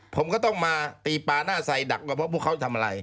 ผมก็ต้องมาตีปลาหน้าใส่ดักว่าเพราะพวกเขาทำอะไร